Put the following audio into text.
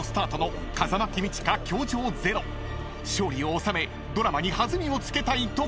［勝利を収めドラマに弾みをつけたいところ］